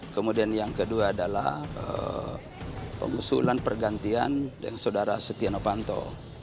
kemudian yang kedua adalah pengusulan pergantian yang saudara setiano fanto